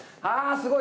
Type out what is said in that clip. すごい。